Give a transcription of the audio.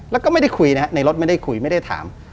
แล้วก็ไม่ได้คุยนะฮะในรถไม่ได้คุยไม่ได้ถาม